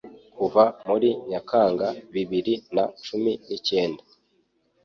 Kuva muri Nyakanga bibiri na cumi nikenda